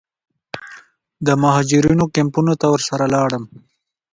د مهاجرینو کمپونو ته ورسره ولاړم.